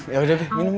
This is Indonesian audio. ya udah be minum be